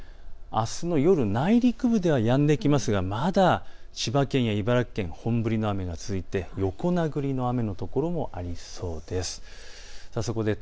あすの夜、内陸部ではやんできますがまだ千葉県や茨城県は本降りの雨が続いて横なぐりの雨の所もありそうです。